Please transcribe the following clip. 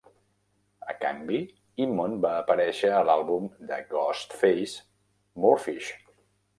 A canvi, Eamon va aparèixer a l'àlbum de Ghostface "More Fish".